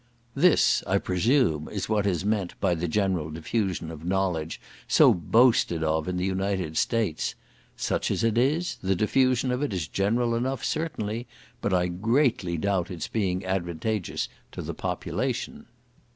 This, I presume, is what is meant by the general diffusion of knowledge, so boasted of in the United States; such as it is, the diffusion of it is general enough, certainly; but I greatly doubt its being advantageous to the population.